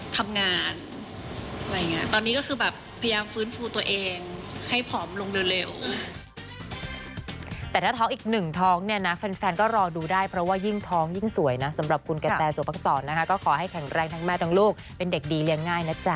แต่ถ้าท้องอีกหนึ่งท้องเนี่ยนะแฟนก็รอดูได้เพราะว่ายิ่งท้องยิ่งสวยนะสำหรับคุณกระแต่สวัสดิ์สอนนะคะก็ขอให้แข็งแรงทั้งแม่ทั้งลูกเป็นเด็กดีเรียงง่ายนะจ๊ะ